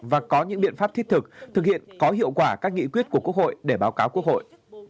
và có những biện pháp thiết thực thực hiện có hiệu quả các nghị quyết của quốc hội để báo cáo quốc hội